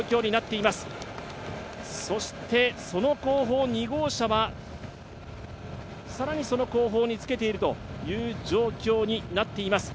その後方２号車は更にその後方につけているという状況になっています。